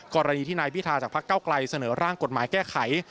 กรณีที่นายพิธาจากพักเก้าไกลเสนอร่างกฎหมายแก้ไข